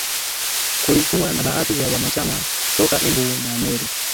Kulikuwa na baadhi ya wanachama toka Embu na Meru